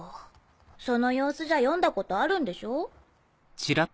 その様子じゃ読んだことあるんでしょ？